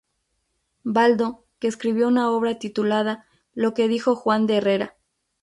Baldo, que escribió una obra titulada "Lo que dijo Juan de Herrera.